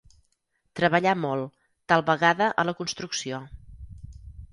Treballar molt, tal vegada a la construcció.